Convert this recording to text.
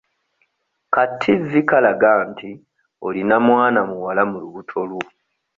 Ka ttivi kalaga nti olina mwana muwala mu lubuto lwo.